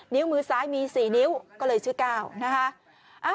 นิ้วมือซ้ายมี๔นิ้วก็เลยชื่อ๙นะคะ